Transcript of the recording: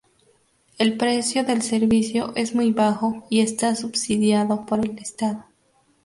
El precio del servicio es muy bajo y está subsidiado por el estado.